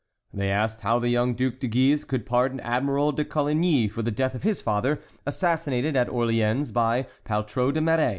They asked how the young Duc de Guise could pardon Admiral de Coligny for the death of his father, assassinated at Orléans by Poltrot de Méré.